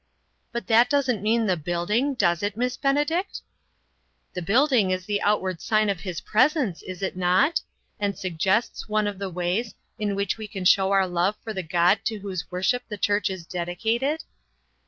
" But that doesn't mean the building, does it, Miss Benedict?" " The building is the outward sign of Ilis presence, is it not? And suggests one of the ways in which we can show our love for the God to whose worship the church is dedicated